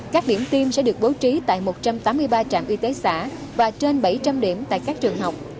các điểm tiêm sẽ được bố trí tại một trăm tám mươi ba trạm y tế xã và trên bảy trăm linh điểm tại các trường học